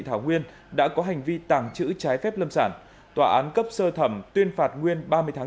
thảo nguyên đã có hành vi tàng trữ trái phép lâm sản tòa án cấp sơ thẩm tuyên phạt nguyên ba mươi tháng